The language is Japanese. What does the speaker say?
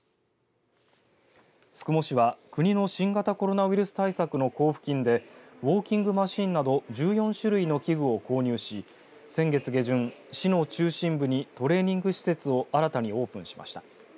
宿毛市は国の新型コロナウイルス対策の交付金でウォーキングマシンなど１４種類の器具を購入し、先月下旬市の中心部にトレーニング施設を新たにオープンしました。